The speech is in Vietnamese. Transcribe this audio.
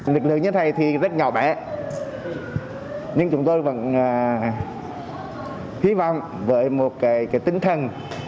lực lượng như thế này thì rất nhỏ bé nhưng chúng tôi vẫn hy vọng với một cái tinh thần